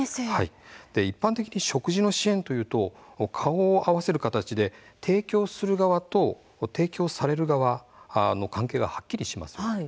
一般的に食事の支援というと顔を合わせる形で提供する側と提供される側の関係がはっきりします。